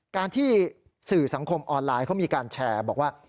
การที่สื่อสังคมออนไลน์เขามีการแชร์บอกว่า